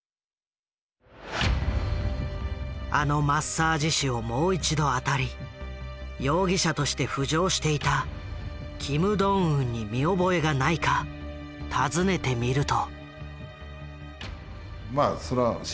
あのマッサージ師をもう一度あたり容疑者として浮上していたキム・ドンウンに見覚えがないか尋ねてみると。